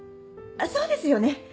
そうですよね。